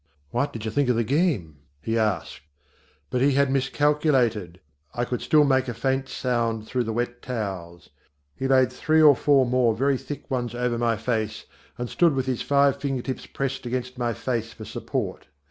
"What did you think of the game," he asked. But he had miscalculated. I could still make a faint sound through the wet towels. He laid three or four more very thick ones over my face and stood with his five finger tips pressed against my face for support.